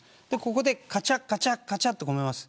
ここでカチャカチャと込めます。